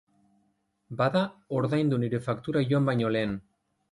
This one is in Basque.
Bada ordaindu nire faktura joan baino lehen!